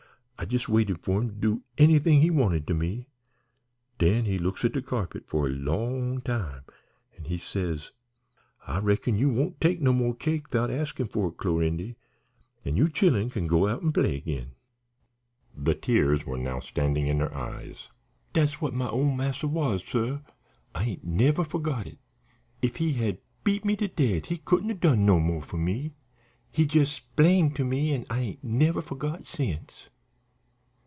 I jes' waited for him to do anythin' he wanted to me. Den he looks at de carpet for a long time an' he says: "'I reckon you won't take no mo' cake 'thout askin' for it, Clorindy, an' you chillen kin go out an' play agin.'" The tears were now standing in her eyes. "Dat's what my ole master was, suh; I ain't never forgot it. If he had beat me to death he couldn't 'a' done no mo' for me. He jes' splained to me an' I ain't never forgot since."